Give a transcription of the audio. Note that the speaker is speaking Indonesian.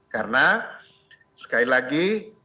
karena sekali lagi